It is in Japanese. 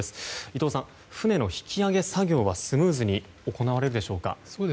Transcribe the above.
伊藤さん、船の引き揚げ作業はスムーズに行われるでしょうか。